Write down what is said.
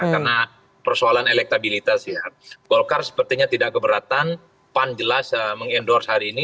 karena persoalan elektabilitas ya golkar sepertinya tidak keberatan pan jelas mengendorse hari ini